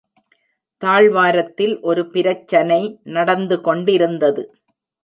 தாழ்வாரத்தில் ஒரு பிரச்சனை நடந்துகொண்டிருந்தது.